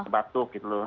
batuk gitu loh